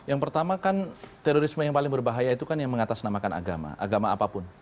yang pertama kan terorisme yang paling berbahaya itu kan yang mengatasnamakan agama agama apapun